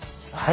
はい！